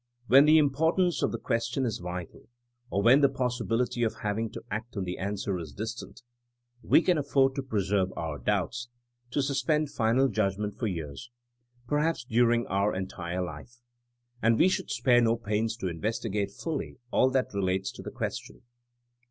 When the importance of the question is vital, or when the possibility of hav ing to act on the answer is distant, we can af ford to preserve our doubts, to suspend final judgment, for years — ^perhaps during our entire life; and we should spare no pains to investi gate fully all that relates to the question.